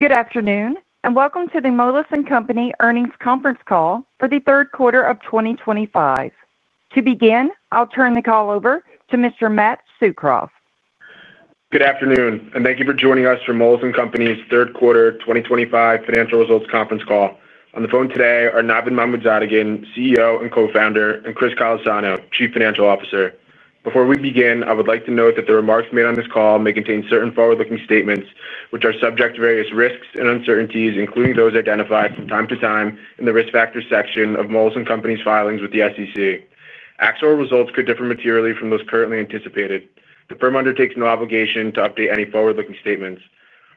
Good afternoon and welcome to the Moelis & Company earnings conference call for the third quarter of 2025. To begin, I'll turn the call over to Mr. Matt Tsukroff. Good afternoon and thank you for joining us for Moelis & Company's third quarter 2025 financial results conference call. On the phone today are Navid Mahmoodzadegan, CEO and Co-Founder, and Chris Callesano, Chief Financial Officer. Before we begin, I would like to note that the remarks made on this call may contain certain forward-looking statements, which are subject to various risks and uncertainties, including those identified from time to time in the risk factors section of Moelis & Company's filings with the SEC. Actual results could differ materially from those currently anticipated. The firm undertakes no obligation to update any forward-looking statements.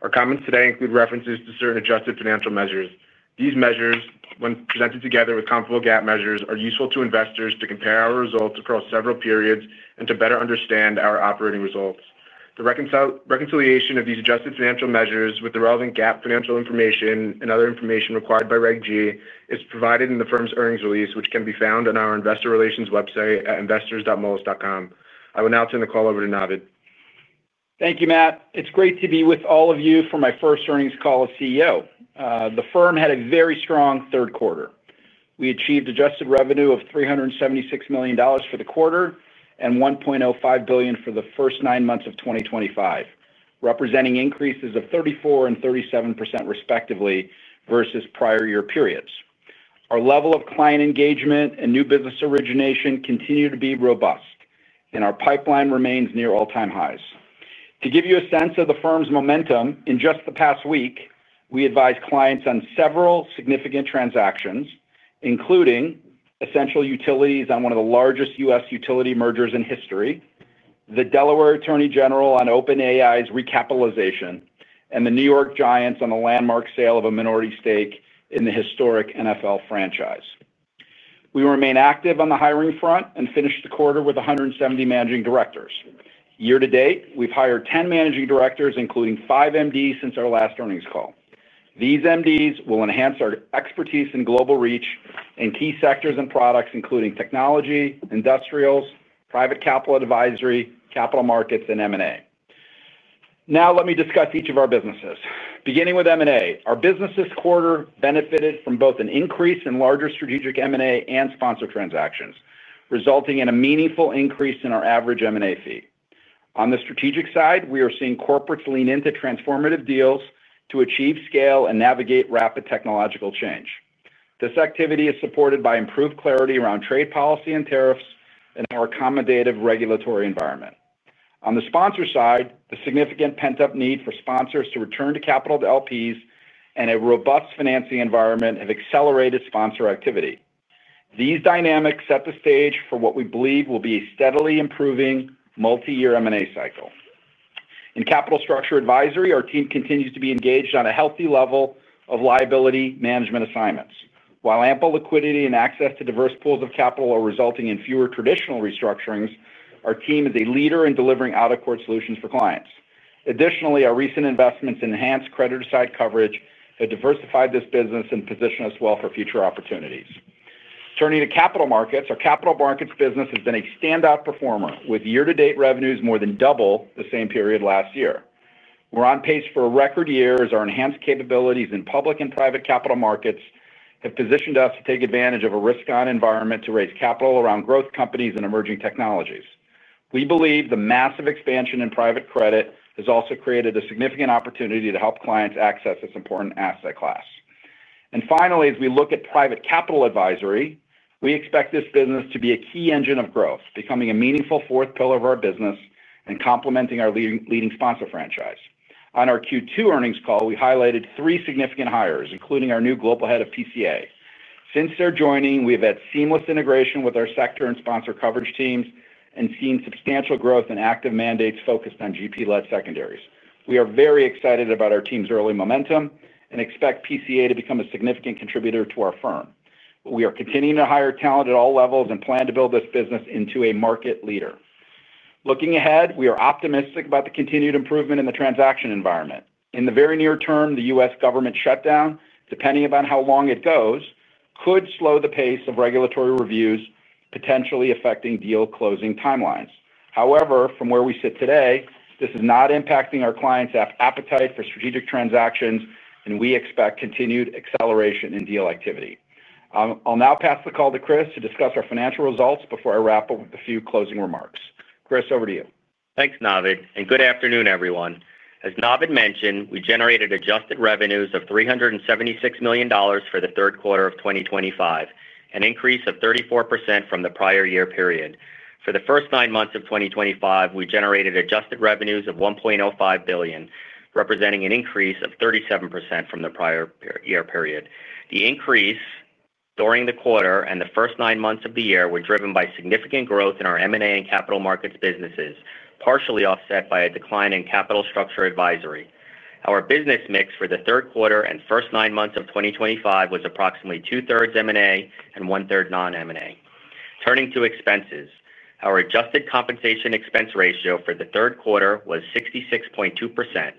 Our comments today include references to certain adjusted financial measures. These measures, when presented together with comparable GAAP measures, are useful to investors to compare our results across several periods and to better understand our operating results. The reconciliation of these adjusted financial measures with the relevant GAAP financial information and other information required by Reg G is provided in the firm's earnings release, which can be found on our investor relations website at investors.moelis.com. I will now turn the call over to Navid. Thank you, Matt. It's great to be with all of you for my first earnings call as CEO. The firm had a very strong third quarter. We achieved adjusted revenue of $376 million for the quarter and $1.05 billion for the first nine months of 2025, representing increases of 34% and 37% respectively versus prior year periods. Our level of client engagement and new business origination continue to be robust, and our pipeline remains near all-time highs. To give you a sense of the firm's momentum, in just the past week, we advised clients on several significant transactions, including Essential Utilities on one of the largest U.S. utility mergers in history, the Delaware Attorney General on OpenAI's recapitalization, and the New York Giants on the landmark sale of a minority stake in the historic NFL franchise. We remain active on the hiring front and finished the quarter with 170 Managing Directors. Year-to-date, we've hired 10 Managing Directors, including five MDs since our last earnings call. These MDs will enhance our expertise and global reach in key sectors and products, including technology, industrials, Private Capital Advisory, capital markets, and M&A. Now let me discuss each of our businesses. Beginning with M&A, our business this quarter benefited from both an increase in larger strategic M&A and sponsor transactions, resulting in a meaningful increase in our average M&A fee. On the strategic side, we are seeing corporates lean into transformative deals to achieve scale and navigate rapid technological change. This activity is supported by improved clarity around trade policy and tariffs and our accommodative regulatory environment. On the sponsor side, the significant pent-up need for sponsors to return capital to LPs and a robust financing environment have accelerated sponsor activity. These dynamics set the stage for what we believe will be a steadily improving multi-year M&A cycle. In capital structure advisory, our team continues to be engaged on a healthy level of liability management assignments. While ample liquidity and access to diverse pools of capital are resulting in fewer traditional restructurings, our team is a leader in delivering out-of-court solutions for clients. Additionally, our recent investments in enhanced credit-assigned coverage have diversified this business and positioned us well for future opportunities. Turning to capital markets, our capital markets business has been a standout performer with year-to-date revenues more than double the same period last year. We're on pace for a record year as our enhanced capabilities in public and private capital markets have positioned us to take advantage of a risk-on environment to raise capital around growth companies and emerging technologies. We believe the massive expansion in private credit has also created a significant opportunity to help clients access this important asset class. Finally, as we look at Private Capital Advisory, we expect this business to be a key engine of growth, becoming a meaningful fourth pillar of our business and complementing our leading sponsor franchise. On our Q2 earnings call, we highlighted three significant hires, including our new Global Head of PCA. Since their joining, we have had seamless integration with our sector and sponsor coverage teams and seen substantial growth in active mandates focused on GP-led secondaries. We are very excited about our team's early momentum and expect PCA to become a significant contributor to our firm. We are continuing to hire talent at all levels and plan to build this business into a market leader. Looking ahead, we are optimistic about the continued improvement in the transaction environment. In the very near term, the U.S. government shutdown, depending upon how long it goes, could slow the pace of regulatory reviews, potentially affecting deal closing timelines. However, from where we sit today, this is not impacting our clients' appetite for strategic transactions, and we expect continued acceleration in deal activity. I'll now pass the call to Chris to discuss our financial results before I wrap up with a few closing remarks. Chris, over to you. Thanks, Navid, and good afternoon, everyone. As Navid mentioned, we generated adjusted revenues of $376 million for the third quarter of 2025, an increase of 34% from the prior year period. For the first nine months of 2025, we generated adjusted revenues of $1.05 billion, representing an increase of 37% from the prior year period. The increase during the quarter and the first nine months of the year were driven by significant growth in our M&A and capital markets businesses, partially offset by a decline in capital structure advisory. Our business mix for the third quarter and first nine months of 2025 was approximately 2/3 M&A and 1/3 non-M&A. Turning to expenses, our adjusted compensation expense ratio for the third quarter was 66.2%,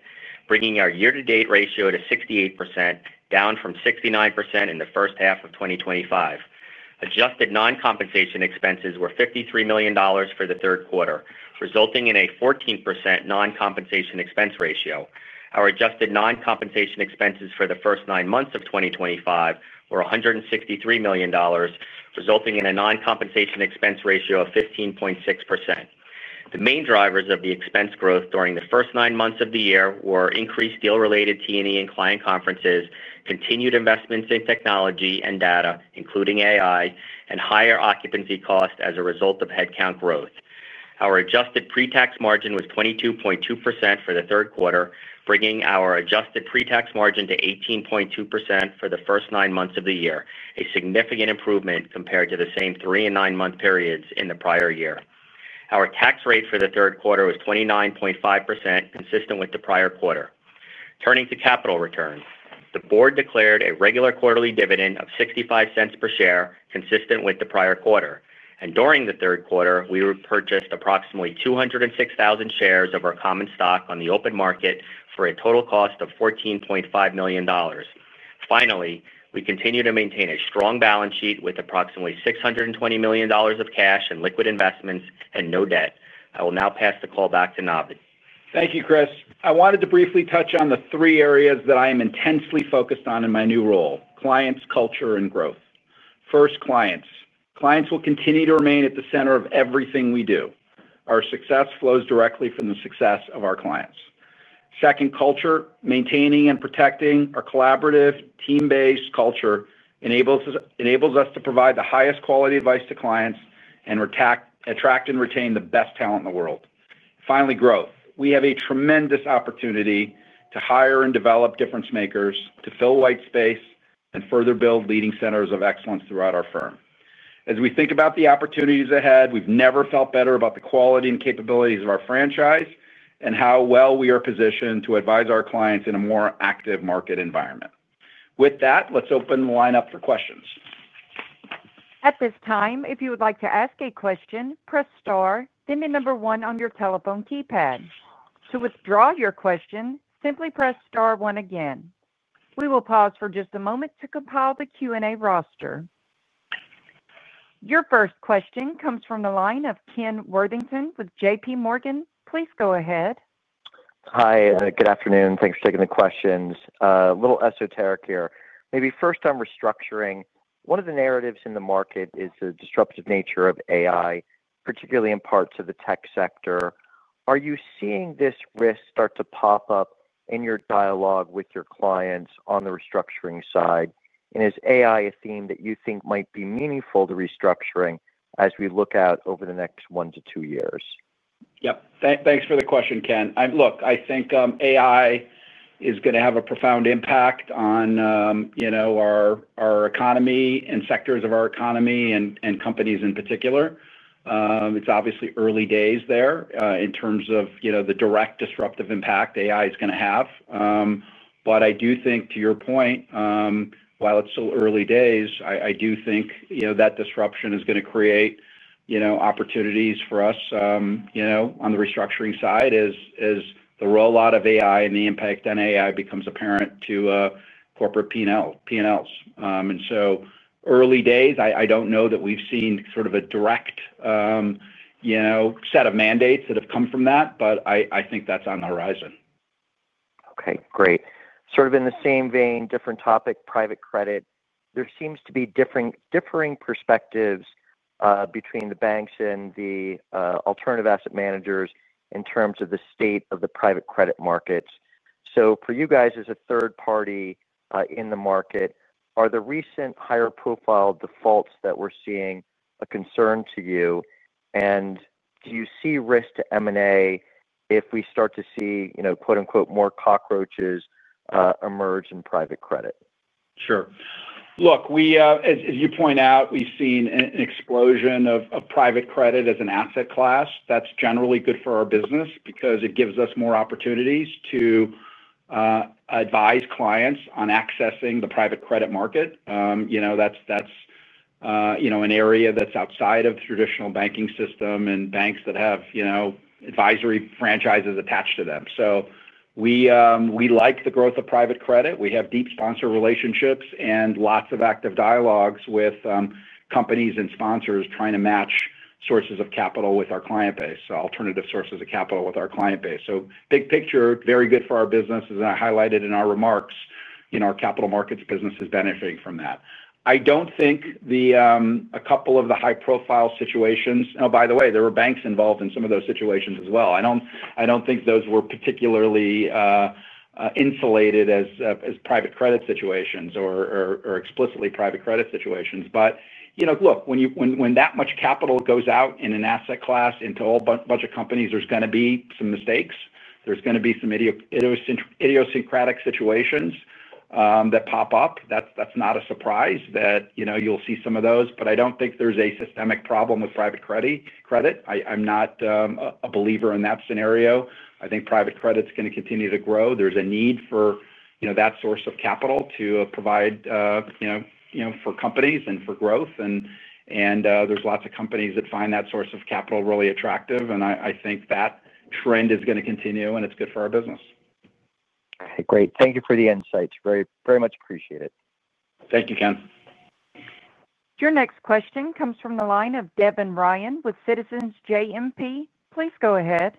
bringing our year-to-date ratio to 68%, down from 69% in the first half of 2025. Adjusted non-compensation expenses were $53 million for the third quarter, resulting in a 14% non-compensation expense ratio. Our adjusted non-compensation expenses for the first nine months of 2025 were $163 million, resulting in a non-compensation expense ratio of 15.6%. The main drivers of the expense growth during the first nine months of the year were increased deal-related T&E and client conferences, continued investments in technology and data, including AI, and higher occupancy costs as a result of headcount growth. Our adjusted pre-tax margin was 22.2% for the third quarter, bringing our adjusted pre-tax margin to 18.2% for the first nine months of the year, a significant improvement compared to the same three and nine-month periods in the prior year. Our tax rate for the third quarter was 29.5%, consistent with the prior quarter. Turning to capital returns, the board declared a regular quarterly dividend of $0.65 per share, consistent with the prior quarter. During the third quarter, we repurchased approximately 206,000 shares of our common stock on the open market for a total cost of $14.5 million. Finally, we continue to maintain a strong balance sheet with approximately $620 million of cash and liquid investments and no debt. I will now pass the call back to Navid. Thank you, Chris. I wanted to briefly touch on the three areas that I am intensely focused on in my new role: clients, culture, and growth. First, clients. Clients will continue to remain at the center of everything we do. Our success flows directly from the success of our clients. Second, culture. Maintaining and protecting our collaborative, team-based culture enables us to provide the highest quality advice to clients and attract and retain the best talent in the world. Finally, growth. We have a tremendous opportunity to hire and develop difference makers, to fill white space, and further build leading centers of excellence throughout our firm. As we think about the opportunities ahead, we've never felt better about the quality and capabilities of our franchise and how well we are positioned to advise our clients in a more active market environment. With that, let's open the line up for questions. At this time, if you would like to ask a question, press star, then the number one on your telephone keypad. To withdraw your question, simply press star one again. We will pause for just a moment to compile the Q&A roster. Your first question comes from the line of Ken Worthington with JPMorgan. Please go ahead. Hi, good afternoon. Thanks for taking the questions. A little esoteric here. Maybe first on restructuring. One of the narratives in the market is the disruptive nature of AI, particularly in parts of the tech sector. Are you seeing this risk start to pop up in your dialogue with your clients on the restructuring side? Is AI a theme that you think might be meaningful to restructuring as we look out over the next one to two years? Yep. Thanks for the question, Ken. I think AI is going to have a profound impact on our economy and sectors of our economy and companies in particular. It's obviously early days there in terms of the direct disruptive impact AI is going to have. I do think, to your point, while it's still early days, that disruption is going to create opportunities for us on the restructuring side as the rollout of AI and the impact on AI becomes apparent to corporate P&Ls. Early days, I don't know that we've seen sort of a direct set of mandates that have come from that, but I think that's on the horizon. Okay, great. Sort of in the same vein, different topic, private credit. There seems to be different perspectives between the banks and the alternative asset managers in terms of the state of the private credit markets. For you guys as a third party in the market, are the recent higher profile defaults that we're seeing a concern to you? Do you see risk to M&A if we start to see, you know, quote unquote, more cockroaches emerge in private credit? Sure. Look, as you point out, we've seen an explosion of private credit as an asset class. That's generally good for our business because it gives us more opportunities to advise clients on accessing the private credit market. That's an area that's outside of the traditional banking system and banks that have advisory franchises attached to them. We like the growth of private credit. We have deep sponsor relationships and lots of active dialogues with companies and sponsors trying to match sources of capital with our client base, alternative sources of capital with our client base. Big picture, very good for our business. As I highlighted in our remarks, our capital markets business is benefiting from that. I don't think a couple of the high-profile situations, and by the way, there were banks involved in some of those situations as well. I don't think those were particularly insulated as private credit situations or explicitly private credit situations. When that much capital goes out in an asset class into a whole bunch of companies, there's going to be some mistakes. There's going to be some idiosyncratic situations that pop up. That's not a surprise that you'll see some of those. I don't think there's a systemic problem with private credit. I'm not a believer in that scenario. I think private credit is going to continue to grow. There's a need for that source of capital to provide for companies and for growth. There's lots of companies that find that source of capital really attractive. I think that trend is going to continue, and it's good for our business. All right, great. Thank you for the insights. Very much appreciate it. Thank you, Ken. Your next question comes from the line of Devin Ryan with Citizens JMP. Please go ahead.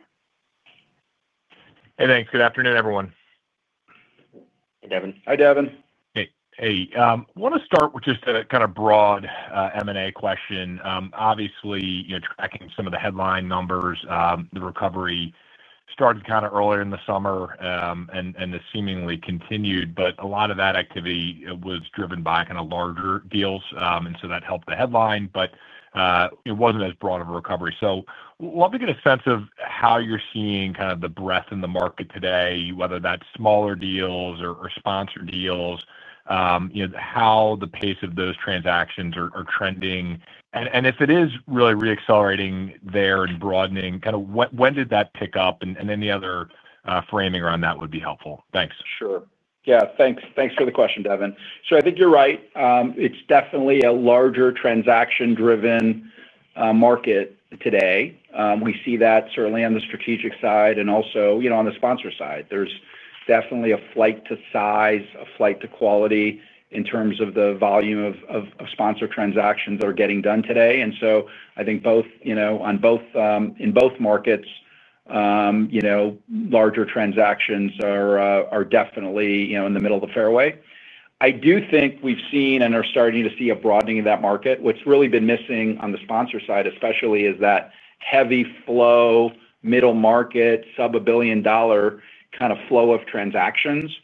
Hey, thanks. Good afternoon, everyone. Hey, Devin. Hi, Devin. I want to start with just a kind of broad M&A question. Obviously, you know, tracking some of the headline numbers, the recovery started earlier in the summer and has seemingly continued. A lot of that activity was driven by larger deals, and that helped the headline, but it wasn't as broad of a recovery. I'd love to get a sense of how you're seeing the breadth in the market today, whether that's smaller deals or sponsor deals, you know, how the pace of those transactions are trending. If it is really reaccelerating there and broadening, when did that pick up? Any other framing around that would be helpful. Thanks. Sure. Yeah, thanks. Thanks for the question, Devin. I think you're right. It's definitely a larger transaction-driven market today. We see that certainly on the strategic side and also on the sponsor side. There's definitely a flight to size, a flight to quality in terms of the volume of sponsor transactions that are getting done today. I think both, in both markets, larger transactions are definitely in the middle of the fairway. I do think we've seen and are starting to see a broadening of that market. What's really been missing on the sponsor side, especially, is that heavy flow, middle market, sub-$1 billion kind of flow of transactions.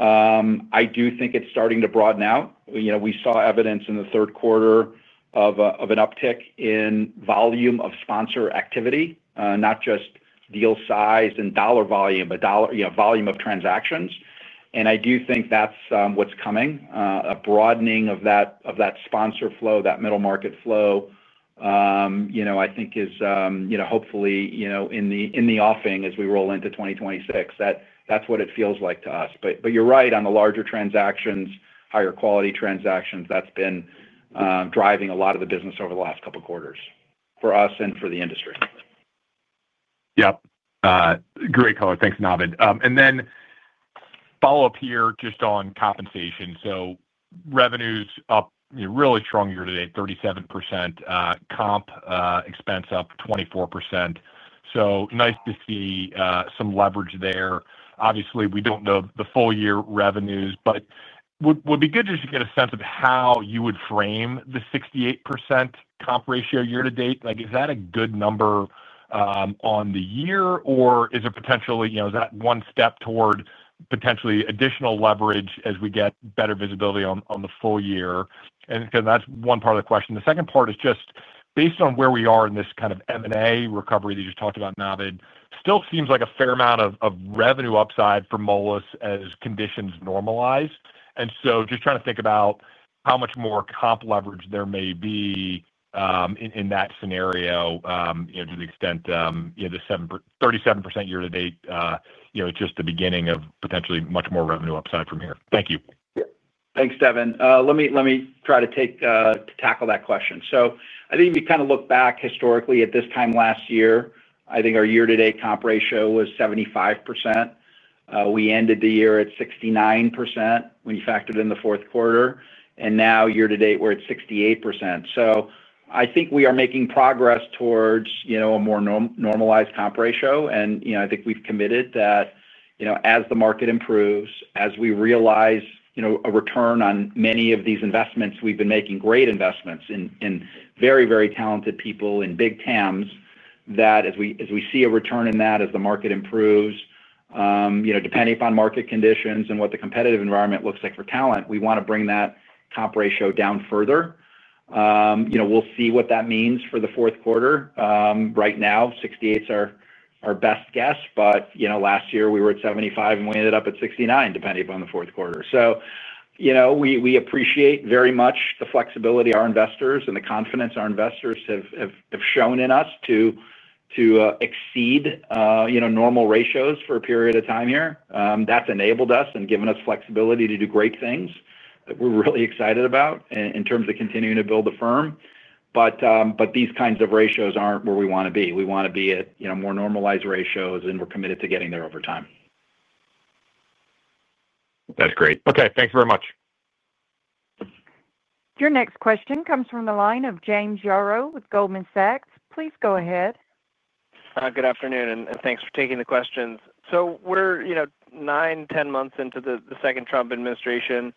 I do think it's starting to broaden out. We saw evidence in the third quarter of an uptick in volume of sponsor activity, not just deal size and dollar volume, but dollar volume of transactions. I do think that's what's coming, a broadening of that sponsor flow, that middle market flow, I think is hopefully in the offing as we roll into 2026. That's what it feels like to us. You're right, on the larger transactions, higher quality transactions, that's been driving a lot of the business over the last couple of quarters for us and for the industry. Great call. Thanks, Navid. Follow-up here just on compensation. Revenues up really strong year-to-date, 37%. Comp expense up 24%. Nice to see some leverage there. Obviously, we don't know the full year revenues, but it would be good just to get a sense of how you would frame the 68% comp ratio year to date. Is that a good number on the year, or is it potentially one step toward potentially additional leverage as we get better visibility on the full year? That's one part of the question. The second part is just based on where we are in this kind of M&A recovery that you just talked about, Navid, still seems like a fair amount of revenue upside for Moelis & Company as conditions normalize. Just trying to think about how much more comp leverage there may be in that scenario, to the extent the 37% year to date is just the beginning of potentially much more revenue upside from here. Thank you. Yeah. Thanks, Devin. Let me try to tackle that question. If you kind of look back historically at this time last year, I think our year-to-date comp ratio was 75%. We ended the year at 69% when you factored in the fourth quarter. Now year to date, we're at 68%. I think we are making progress towards a more normalized comp ratio. I think we've committed that as the market improves, as we realize a return on many of these investments, we've been making great investments in very, very talented people in big TAMs that as we see a return in that, as the market improves, depending upon market conditions and what the competitive environment looks like for talent, we want to bring that comp ratio down further. We'll see what that means for the fourth quarter. Right now, 68% is our best guess, but last year we were at 75% and we ended up at 69%, depending upon the fourth quarter. We appreciate very much the flexibility of our investors and the confidence our investors have shown in us to exceed normal ratios for a period of time here. That's enabled us and given us flexibility to do great things that we're really excited about in terms of continuing to build the firm. These kinds of ratios aren't where we want to be. We want to be at more normalized ratios, and we're committed to getting there over time. That's great. Okay, thanks very much. Your next question comes from the line of James Yaro with Goldman Sachs. Please go ahead. Good afternoon, and thanks for taking the questions. We're nine, ten months into the second Trump administration.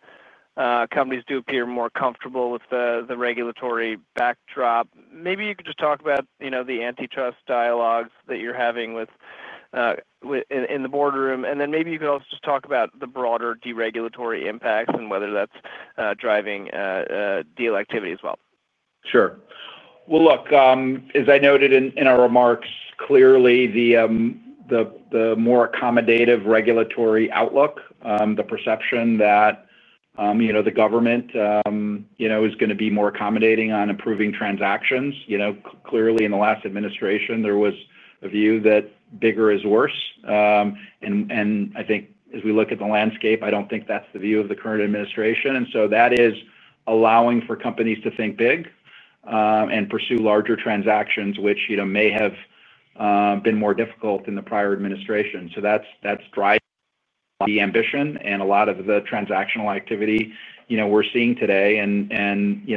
Companies do appear more comfortable with the regulatory backdrop. Maybe you could just talk about the antitrust dialogues that you're having in the boardroom. Maybe you could also just talk about the broader deregulatory impacts and whether that's driving deal activity as well. Sure. As I noted in our remarks, clearly the more accommodative regulatory outlook, the perception that the government is going to be more accommodating on approving transactions. Clearly in the last administration, there was a view that bigger is worse. I think as we look at the landscape, I don't think that's the view of the current administration. That is allowing for companies to think big and pursue larger transactions, which may have been more difficult in the prior administration. That's driving the ambition and a lot of the transactional activity we're seeing today. Unless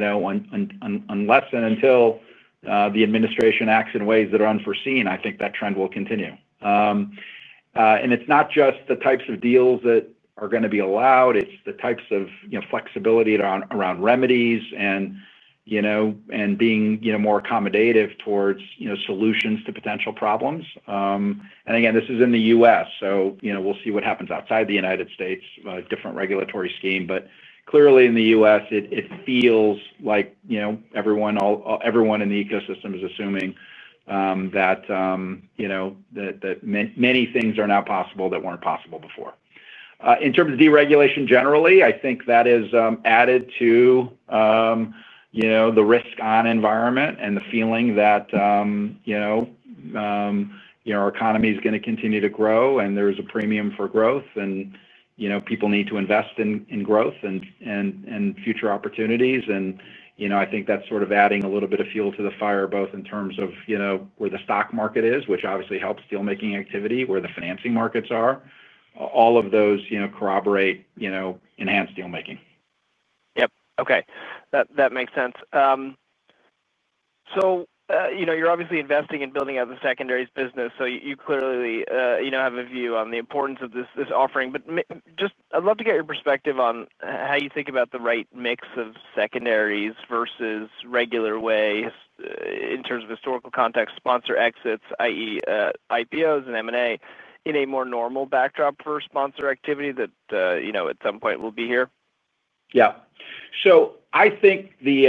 and until the administration acts in ways that are unforeseen, I think that trend will continue. It's not just the types of deals that are going to be allowed. It's the types of flexibility around remedies and being more accommodative towards solutions to potential problems. Again, this is in the U.S. We'll see what happens outside the United States, a different regulatory scheme. Clearly in the U.S., it feels like everyone in the ecosystem is assuming that many things are now possible that weren't possible before. In terms of deregulation generally, I think that is added to the risk-on environment and the feeling that our economy is going to continue to grow and there's a premium for growth and people need to invest in growth and future opportunities. I think that's sort of adding a little bit of fuel to the fire, both in terms of where the stock market is, which obviously helps dealmaking activity, and where the financing markets are. All of those corroborate enhanced dealmaking. Okay. That makes sense. You're obviously investing in building out the secondaries business. You clearly have a view on the importance of this offering. I'd love to get your perspective on how you think about the right mix of secondaries versus regular ways, in terms of historical context, sponsor exits, i.e., IPOs and M&A, in a more normal backdrop for sponsor activity that at some point will be here. Yeah. I think the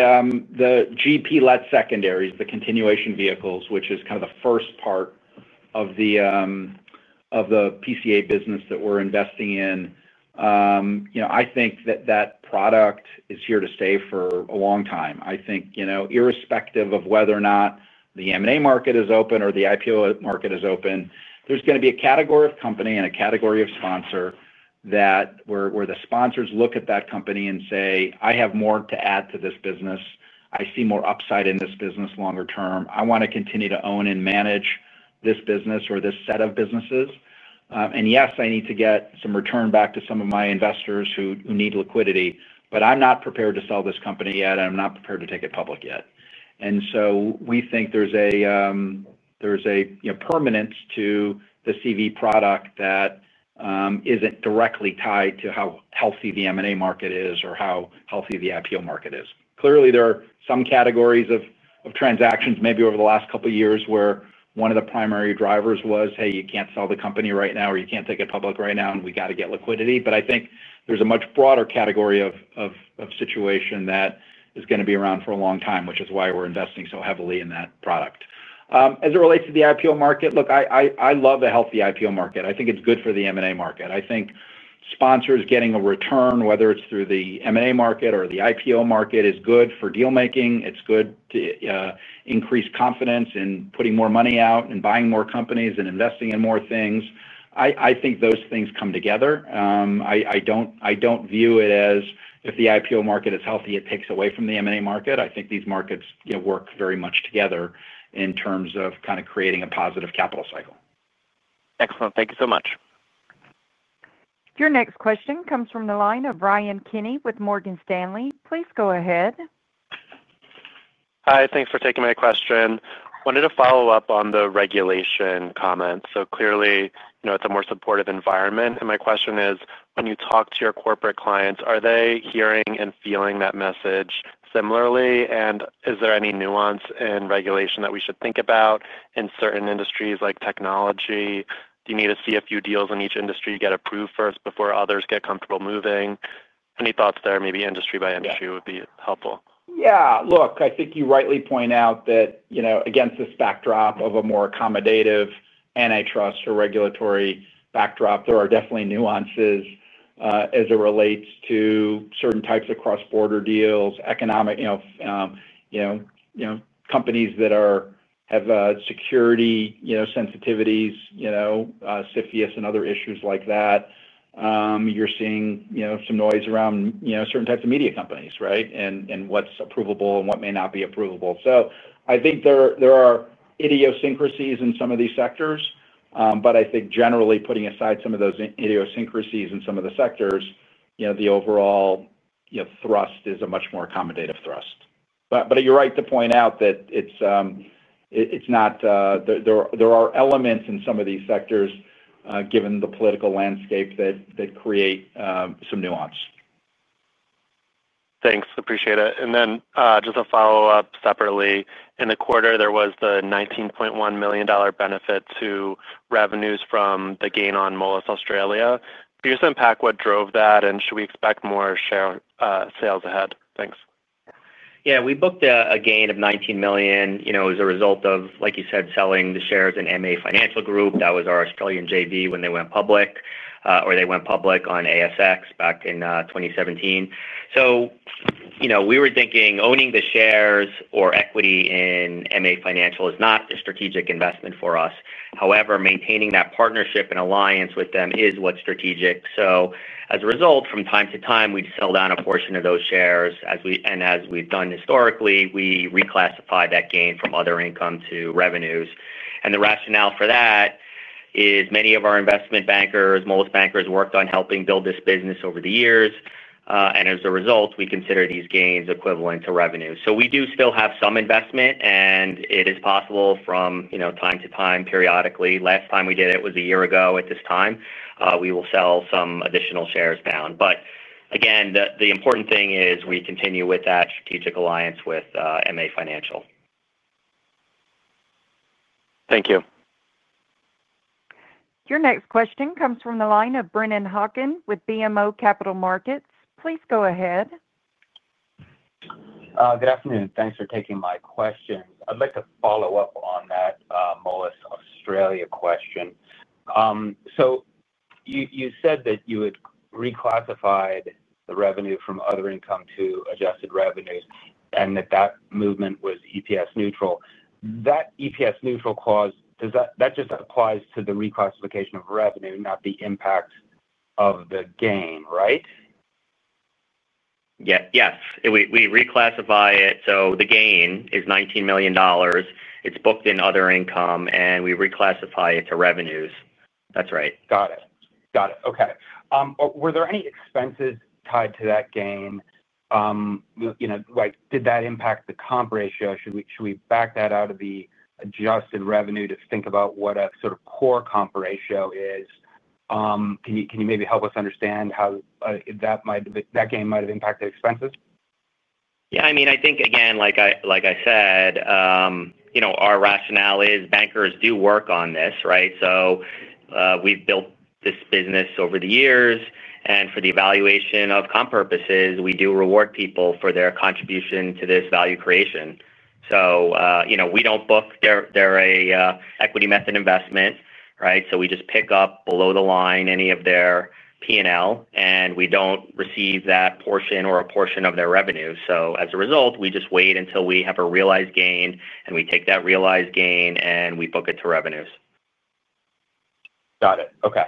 GP-led secondaries, the continuation vehicles, which is kind of the first part of the PCA business that we're investing in, I think that product is here to stay for a long time. Irrespective of whether or not the M&A market is open or the IPO market is open, there's going to be a category of company and a category of sponsor where the sponsors look at that company and say, "I have more to add to this business. I see more upside in this business longer term. I want to continue to own and manage this business or this set of businesses. Yes, I need to get some return back to some of my investors who need liquidity, but I'm not prepared to sell this company yet, and I'm not prepared to take it public yet." We think there's a permanence to the CV product that isn't directly tied to how healthy the M&A market is or how healthy the IPO market is. Clearly, there are some categories of transactions maybe over the last couple of years where one of the primary drivers was, "Hey, you can't sell the company right now," or, "You can't take it public right now, and we got to get liquidity." I think there's a much broader category of situation that is going to be around for a long time, which is why we're investing so heavily in that product. As it relates to the IPO market, look, I love a healthy IPO market. I think it's good for the M&A market. I think sponsors getting a return, whether it's through the M&A market or the IPO market, is good for dealmaking. It's good to increase confidence in putting more money out and buying more companies and investing in more things. I think those things come together. I don't view it as if the IPO market is healthy, it takes away from the M&A market. I think these markets work very much together in terms of kind of creating a positive capital cycle. Excellent. Thank you so much. Your next question comes from the line of Ryan Kenny with Morgan Stanley. Please go ahead. Hi. Thanks for taking my question. I wanted to follow up on the regulation comment. Clearly, you know, it's a more supportive environment. My question is, when you talk to your corporate clients, are they hearing and feeling that message similarly? Is there any nuance in regulation that we should think about in certain industries like technology? Do you need to see a few deals in each industry get approved first before others get comfortable moving? Any thoughts there? Maybe industry by industry would be helpful. Yeah. Look, I think you rightly point out that, you know, against this backdrop of a more accommodative antitrust or regulatory backdrop, there are definitely nuances as it relates to certain types of cross-border deals, economic, you know, companies that have security, you know, sensitivities, you know, CFIUS and other issues like that. You're seeing, you know, some noise around, you know, certain types of media companies, right? And what's approvable and what may not be approvable. I think there are idiosyncrasies in some of these sectors. I think generally, putting aside some of those idiosyncrasies in some of the sectors, you know, the overall, you know, thrust is a much more accommodative thrust. You're right to point out that it's not there are elements in some of these sectors, given the political landscape that create some nuance. Thanks. Appreciate it. Just a follow-up separately. In the quarter, there was the $19.1 million benefit to revenues from the gain on Moelis Australia. Could you just unpack what drove that, and should we expect more share sales ahead? Thanks. Yeah. We booked a gain of $19 million, you know, as a result of, like you said, selling the shares in MA Financial Group. That was our Australian JV when they went public or they went public on ASX back in 2017. You know, we were thinking owning the shares or equity in MA Financial is not a strategic investment for us. However, maintaining that partnership and alliance with them is what's strategic. As a result, from time to time, we'd sell down a portion of those shares. As we, and as we've done historically, we reclassify that gain from other income to revenues. The rationale for that is many of our investment bankers, Moelis bankers, worked on helping build this business over the years. As a result, we consider these gains equivalent to revenue. We do still have some investment, and it is possible from, you know, time to time, periodically. Last time we did it was a year ago. At this time, we will sell some additional shares down. Again, the important thing is we continue with that strategic alliance with MA Financial. Thank you. Your next question comes from the line of Brennan Hawken with BMO Capital Markets. Please go ahead. Good afternoon. Thanks for taking my questions. I'd like to follow up on that Moelis Australia question. You said that you had reclassified the revenue from other income to adjusted revenues and that that movement was EPS neutral. That EPS neutral clause, does that just apply to the reclassification of revenue, not the impact of the gain, right? Yes. We reclassify it. The gain is $19 million. It's booked in other income, and we reclassify it to revenues. That's right. Got it. Okay. Were there any expenses tied to that gain? Did that impact the comp ratio? Should we back that out of the adjusted revenue to think about what a sort of core comp ratio is? Can you maybe help us understand how that gain might have impacted expenses? Yeah, I mean, I think, again, like I said, our rationale is bankers do work on this, right? We have built this business over the years, and for the evaluation of comp purposes, we do reward people for their contribution to this value creation. We do not book their equity method investment, right? We just pick up below the line any of their P&L, and we do not receive that portion or a portion of their revenue. As a result, we just wait until we have a realized gain, and we take that realized gain and book it to revenues. Got it. Okay.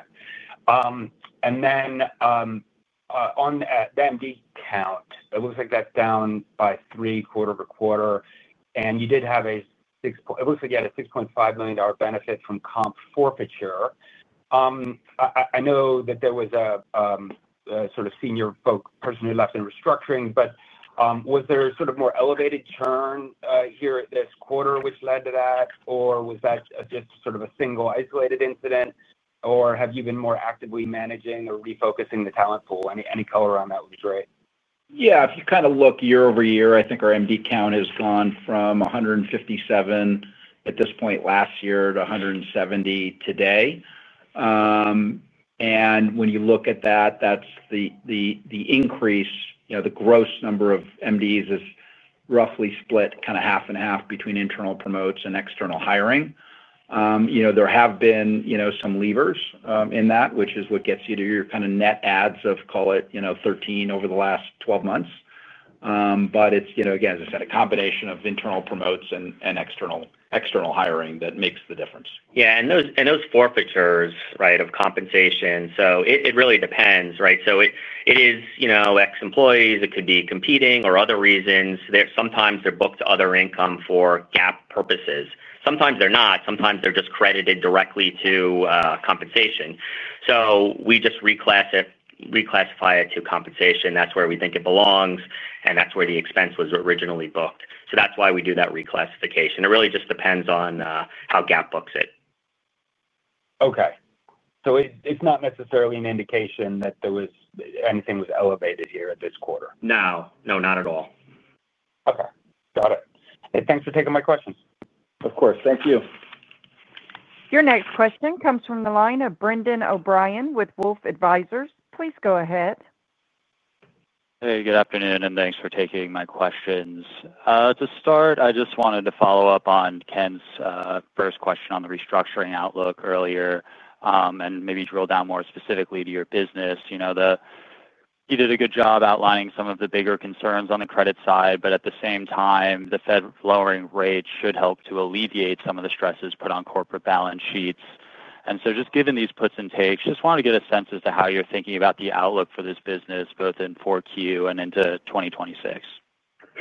On the MD count, it looks like that's down by three quarters of a quarter. You did have a $6.5 million benefit from comp forfeiture. I know that there was a sort of senior person who left in restructuring, but was there more elevated churn here this quarter which led to that, or was that just a single isolated incident, or have you been more actively managing or refocusing the talent pool? Any color around that would be great. Yeah. If you kind of look year over year, I think our Managing Director count has gone from 157 at this point last year to 170 today. When you look at that, that's the increase, you know, the gross number of Managing Directors is roughly split kind of half and half between internal promotes and external hiring. There have been some levers in that, which is what gets you to your kind of net adds of, call it, 13 over the last 12 months. It's, you know, again, as I said, a combination of internal promotes and external hiring that makes the difference. Yeah. Those forfeitures of compensation, it really depends, right? It is, you know, ex-employees. It could be competing or other reasons. Sometimes they're booked to other income for GAAP purposes, sometimes they're not, sometimes they're just credited directly to compensation. We just reclassify it to compensation. That's where we think it belongs, and that's where the expense was originally booked. That is why we do that reclassification. It really just depends on how GAAP books it. Okay. It's not necessarily an indication that anything was elevated here at this quarter. No, not at all. Okay. Got it. Hey, thanks for taking my questions. Of course, thank you. Your next question comes from the line of Brendan O'Brien with Wolfe Advisors. Please go ahead. Hey, good afternoon, and thanks for taking my questions. To start, I just wanted to follow up on Ken's first question on the restructuring outlook earlier and maybe drill down more specifically to your business. He did a good job outlining some of the bigger concerns on the credit side, but at the same time, the Fed lowering rates should help to alleviate some of the stresses put on corporate balance sheets. Just given these puts and takes, I wanted to get a sense as to how you're thinking about the outlook for this business, both in 4Q and into 2026.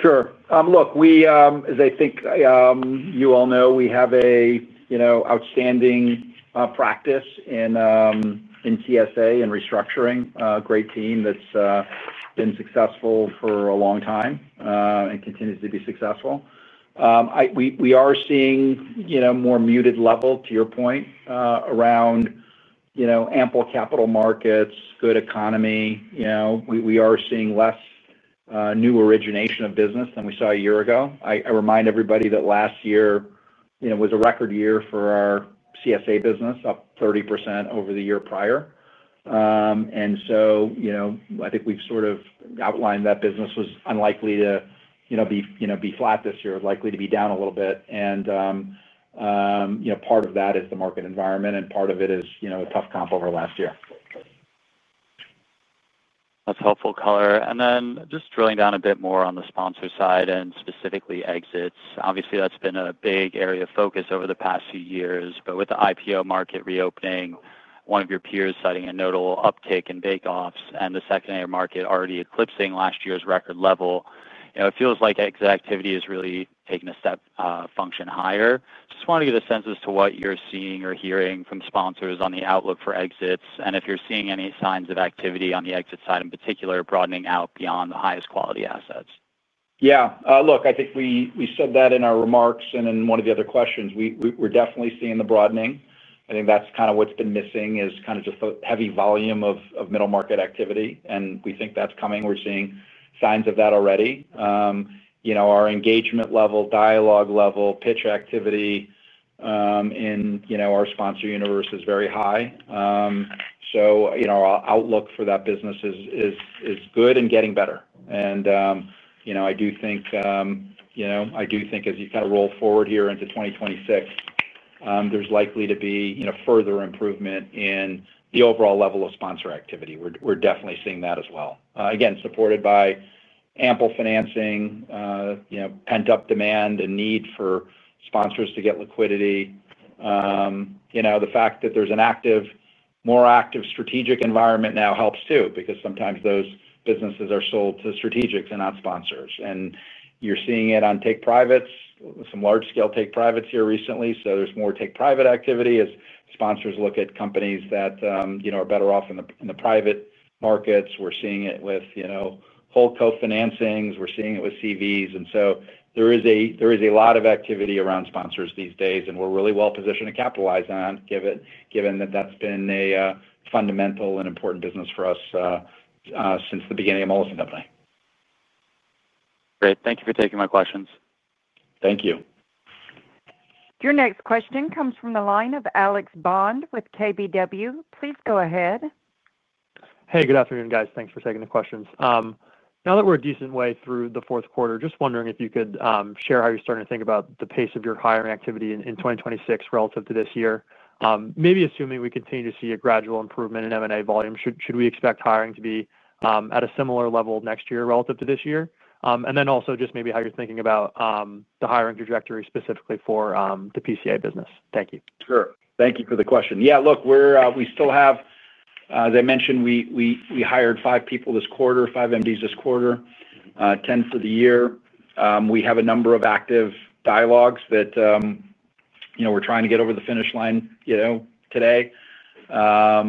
Sure. Look, we, as I think you all know, we have a, you know, outstanding practice in TSA and restructuring. Great team that's been successful for a long time and continues to be successful. We are seeing, you know, more muted level, to your point, around, you know, ample capital markets, good economy. We are seeing less new origination of business than we saw a year ago. I remind everybody that last year was a record year for our TSA business, up 30% over the year prior, and so, you know, I think we've sort of outlined that business was unlikely to be, you know, be flat this year, likely to be down a little bit. Part of that is the market environment, and part of it is, you know, a tough comp over last year. That's helpful color. And then, just drilling down a bit more on the sponsor side and specifically exits. Obviously, that's been a big area of focus over the past few years. With the IPO market reopening, one of your peers citing a notable uptick in bake-offs and the secondary market already eclipsing last year's record level, it feels like exit activity is really taking a step function higher. I just wanted to get a sense as to what you're seeing or hearing from sponsors on the outlook for exits, and if you're seeing any signs of activity on the exit side in particular broadening out beyond the highest quality assets. Yeah. Look, I think we said that in our remarks and in one of the other questions. We're definitely seeing the broadening. I think that's kind of what's been missing, just the heavy volume of middle market activity. We think that's coming. We're seeing signs of that already. Our engagement level, dialogue level, pitch activity in our sponsor universe is very high. Our outlook for that business is good and getting better. I do think as you kind of roll forward here into 2026, there's likely to be further improvement in the overall level of sponsor activity. We're definitely seeing that as well, supported by ample financing, pent-up demand, and need for sponsors to get liquidity. The fact that there's a more active strategic environment now helps too because sometimes those businesses are sold to strategics and not sponsors. You're seeing it on take privates, some large-scale take privates here recently. There's more take private activity as sponsors look at companies that are better off in the private markets. We're seeing it with whole co-financings. We're seeing it with CVs. There is a lot of activity around sponsors these days, and we're really well positioned to capitalize on it, given that that's been a fundamental and important business for us since the beginning of Moelis & Company. Great. Thank you for taking my questions. Thank you. Your next question comes from the line of Alex Bond with KBW. Please go ahead. Hey, good afternoon, guys. Thanks for taking the questions. Now that we're a decent way through the fourth quarter, just wondering if you could share how you're starting to think about the pace of your hiring activity in 2026 relative to this year. Maybe assuming we continue to see a gradual improvement in M&A volume, should we expect hiring to be at a similar level next year relative to this year? Also, just maybe how you're thinking about the hiring trajectory specifically for the PCA business. Thank you. Sure. Thank you for the question. Yeah, look, we still have, as I mentioned, we hired five people this quarter, five Managing Directors this quarter, 10 for the year. We have a number of active dialogues that we're trying to get over the finish line today. As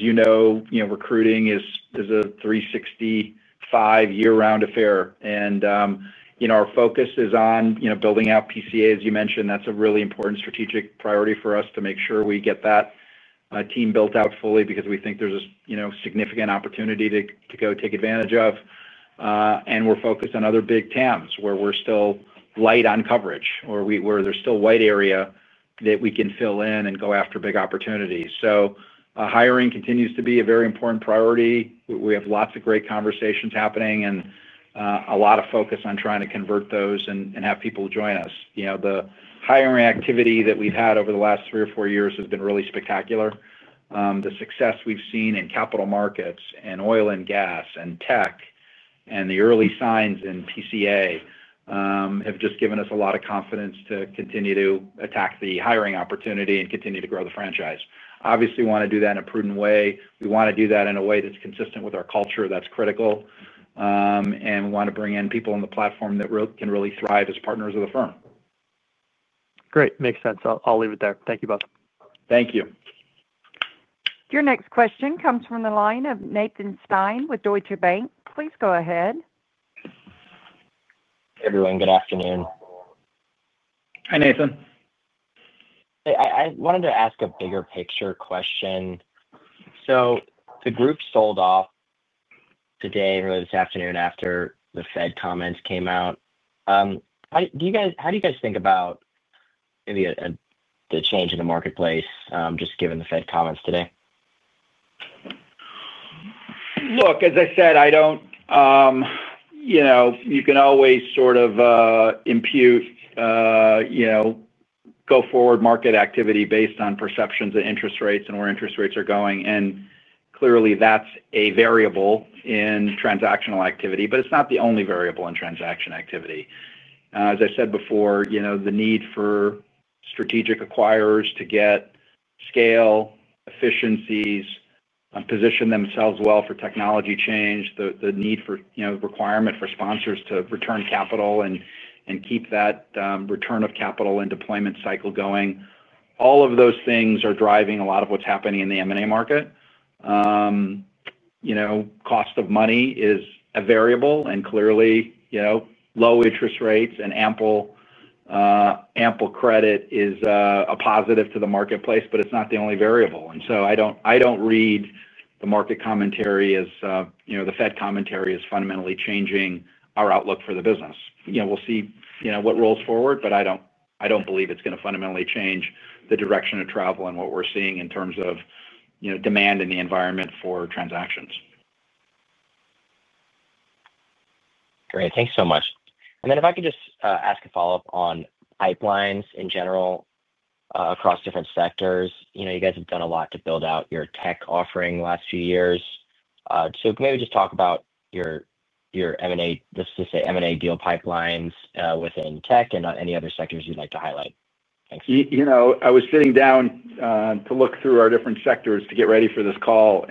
you know, recruiting is a 365-year-round affair. Our focus is on building out PCA, as you mentioned. That's a really important strategic priority for us to make sure we get that team built out fully because we think there's a significant opportunity to go take advantage of. We're focused on other big TAMs where we're still light on coverage or where there's still white area that we can fill in and go after big opportunities. Hiring continues to be a very important priority. We have lots of great conversations happening and a lot of focus on trying to convert those and have people join us. The hiring activity that we've had over the last three or four years has been really spectacular. The success we've seen in capital markets and oil and gas and tech and the early signs in PCA have just given us a lot of confidence to continue to attack the hiring opportunity and continue to grow the franchise. Obviously, we want to do that in a prudent way. We want to do that in a way that's consistent with our culture. That's critical. We want to bring in people on the platform that can really thrive as partners of the firm. Great. Makes sense. I'll leave it there. Thank you both. Thank you. Your next question comes from the line of Nathan Stein with Deutsche Bank. Please go ahead. Hey, everyone. Good afternoon. Hi, Nathan. I wanted to ask a bigger picture question. The group sold off today this afternoon after the Fed comments came out. How do you guys think about maybe the change in the marketplace, just given the Fed comments today? Look, as I said, you can always sort of impute, you know, go forward market activity based on perceptions and interest rates and where interest rates are going. Clearly, that's a variable in transactional activity, but it's not the only variable in transaction activity. As I said before, the need for strategic acquirers to get scale efficiencies and position themselves well for technology change, the requirement for sponsors to return capital and keep that return of capital and deployment cycle going, all of those things are driving a lot of what's happening in the M&A market. Cost of money is a variable. Clearly, low interest rates and ample credit is a positive to the marketplace, but it's not the only variable. I don't read the market commentary as the Fed commentary is fundamentally changing our outlook for the business. We'll see what rolls forward, but I don't believe it's going to fundamentally change the direction of travel and what we're seeing in terms of demand in the environment for transactions. Great. Thanks so much. If I could just ask a follow-up on pipelines in general, across different sectors, you know, you guys have done a lot to build out your tech offering the last few years. Maybe just talk about your M&A, let's just say M&A deal pipelines, within tech and any other sectors you'd like to highlight. Thanks. I was sitting down to look through our different sectors to get ready for this call,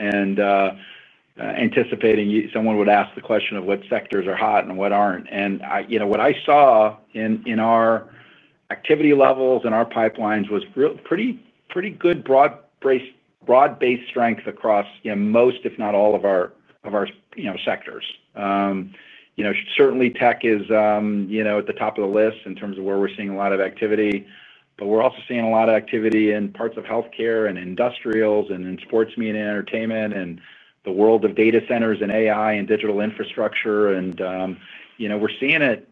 anticipating someone would ask the question of what sectors are hot and what aren't. What I saw in our activity levels and our pipelines was really pretty good broad-based strength across most, if not all, of our sectors. Certainly, tech is at the top of the list in terms of where we're seeing a lot of activity. We're also seeing a lot of activity in parts of healthcare and industrials, in sports media and entertainment, and the world of data centers and AI and digital infrastructure. We're seeing it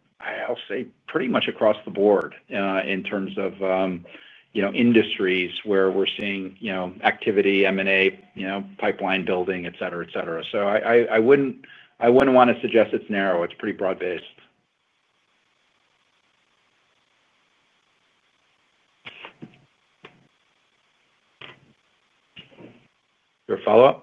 pretty much across the board in terms of industries where we're seeing activity, M&A, pipeline building, etc. I wouldn't want to suggest it's narrow. It's pretty broad-based. Your follow-up? Hello?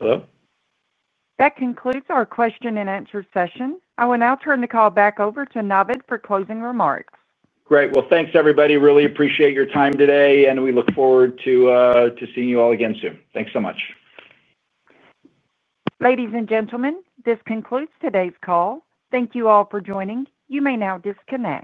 That concludes our question-and-answer session. I will now turn the call back over to Navid for closing remarks. Great. Thank you, everybody. Really appreciate your time today, and we look forward to seeing you all again soon. Thank you so much. Ladies and gentlemen, this concludes today's call. Thank you all for joining. You may now disconnect.